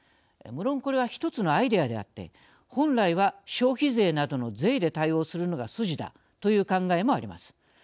無論これは一つのアイデアであって本来は消費税などの税で対応するのが筋だという考えもあります。